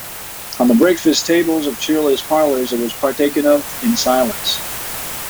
On the breakfast-tables of cheerless parlours it was partaken of in silence.